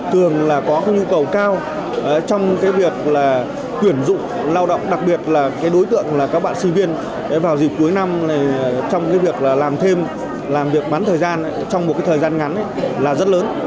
có nhu cầu tuyển dụng nguồn nhân lực này